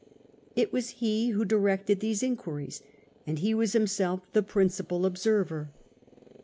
It Avas he who directed these inquiries, and he Avas himself the principal observer.